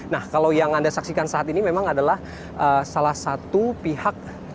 nah kalau yang anda saksikan saat ini memang adalah salah satu pihak